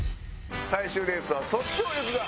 最終レースは。